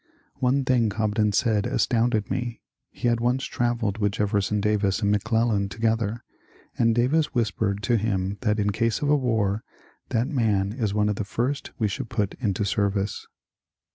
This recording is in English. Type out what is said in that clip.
One thing Cobden said astounded me. He had once travelled with Jefferson Davis and McClellan together, and Davis whispered to him that in case of a war ^^ that man is one of the first we should put into service."